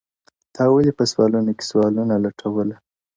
o تا ولي په سوالونو کي سوالونه لټوله ـ